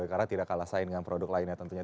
karena tidak kalah sain dengan produk lainnya tentunya